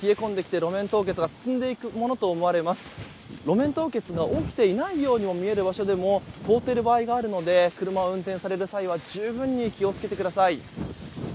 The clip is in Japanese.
路面凍結が起きていないように見える場所でも凍っている場合があるので車を運転される際は十分に気を付けてください。